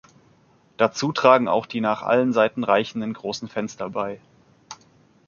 Dazu tragen auch die nach allen Seiten reichenden großen Fenster bei.